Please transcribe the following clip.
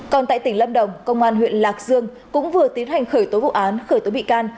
còn tại tỉnh lâm đồng công an huyện lạc dương cũng vừa tiến hành khởi tố vụ án khởi tố bị can